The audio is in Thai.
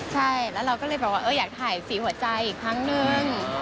ใช่แล้วเราก็เลยแบบว่าอยากถ่ายสีหัวใจอีกครั้งนึง